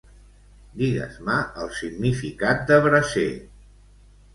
Digues-me el significat de braser.